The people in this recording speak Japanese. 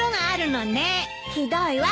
ひどいわ。